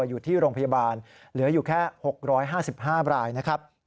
อยู่ที่โรงพยาบาลเหลืออยู่แค่๖๕๕รายนะครับ